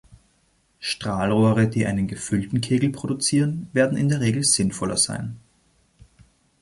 Strahlrohre, die einen gefüllten Kegel produzieren, werden in der Regel sinnvoller sein.